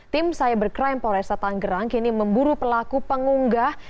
tim cybercrime polresa tangerang kini memburu pelaku pengunggah